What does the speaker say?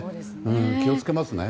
気を付けますね。